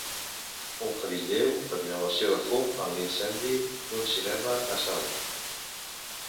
Un ferit lleu per inhalació de fum en l'incendi d'un cinema a Salt.